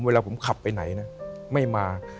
เวลาผมขับไปไหนนะไม่มา